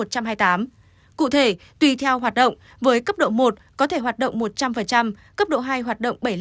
cụ thể tùy theo hoạt động với cấp độ một có thể hoạt động một trăm linh cấp độ hai hoạt động bảy mươi năm